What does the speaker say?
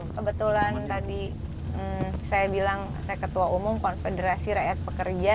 kebetulan tadi saya bilang saya ketua umum konfederasi rakyat pekerja